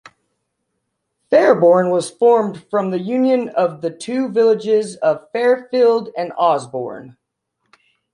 Fairborn was formed from the union of the two villages of Fairfield and Osborn.